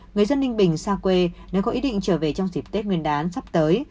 người dân ninh bình xa quê nếu có ý định trở về trong dịp tết nguyên đán sắp tới